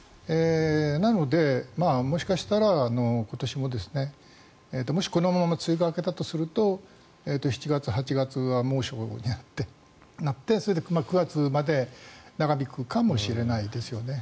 なので、もしかしたら今年ももしこのまま梅雨が明けたとすると７月、８月は猛暑になってそれで９月まで長引くかもしれないですよね。